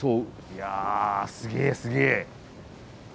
いやすげえすげえ！